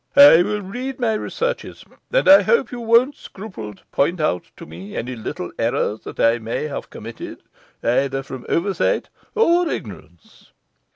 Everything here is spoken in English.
I will read my researches, and I hope you won't scruple to point out to me any little errors that I may have committed either from oversight or ignorance.